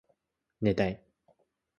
寝たい